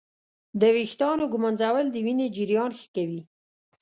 د ویښتانو ږمنځول د وینې جریان ښه کوي.